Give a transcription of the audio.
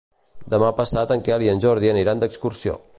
Demà passat en Quel i en Jordi aniran d'excursió.